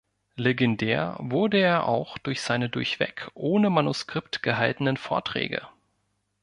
Legendär wurde er auch durch seine durchweg ohne Manuskript gehaltenen Vorträge.